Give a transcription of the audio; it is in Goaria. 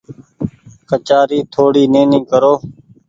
ڪچآري ٿوڙي نيني ڪرو۔